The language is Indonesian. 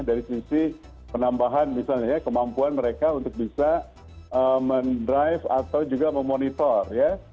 dari sisi penambahan misalnya ya kemampuan mereka untuk bisa mendrive atau juga memonitor ya